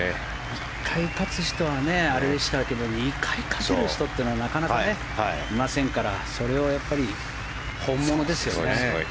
１回勝つ人はあれでしたけど２回勝てる人というのはなかなかいませんから本物ですよね。